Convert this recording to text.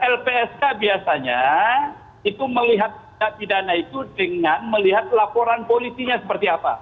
lpsk biasanya itu melihat tindak pidana itu dengan melihat laporan politiknya seperti apa